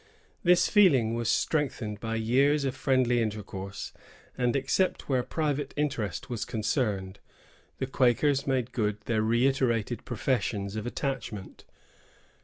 This feeling was strengthened by years of friendly intercourse; and except where private interest was concerned, the Quakers made good their reiterated professions of attachment.